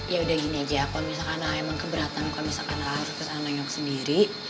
ya udah gini aja kalo misalkan emang keberatan kalo misalkan raksasa nengok sendiri